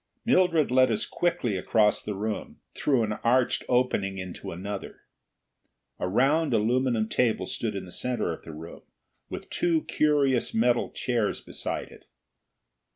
Mildred led us quickly across the room, through an arched opening into another. A round aluminum table stood in the center of the room, with two curious metal chairs beside it.